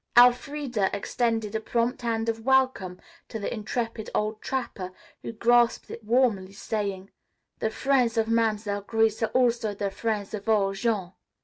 Elfreda extended a prompt hand of welcome to the intrepid old trapper, who grasped it warmly, saying: "The frien's of Mam'selle Grace are also the frien's of ol' Jean."